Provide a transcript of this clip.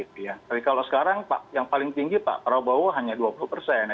tapi kalau sekarang yang paling tinggi pak prabowo hanya dua puluh persen